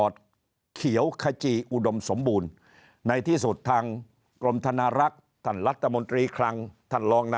อธิบดีก็